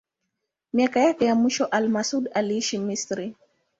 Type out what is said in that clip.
Miaka yake ya mwisho al-Masudi aliishi Misri.